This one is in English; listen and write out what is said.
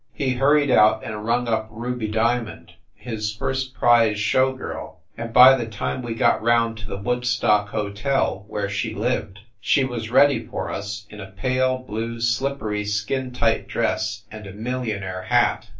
He hurried out and rung up Ruby Dia mond, his first prize show girl, and by the time we got round to the Woodstock Hotel, where she lived, she was ready for us in a pale blue slippery skin tight dress and a millionaire hat.